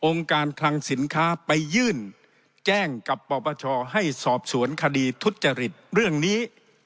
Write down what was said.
การคลังสินค้าไปยื่นแจ้งกับปปชให้สอบสวนคดีทุจริตเรื่องนี้